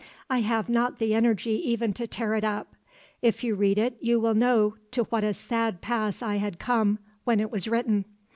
I have not the energy even to tear it up. If you read it you will know to what a sad pass I had come when it was written.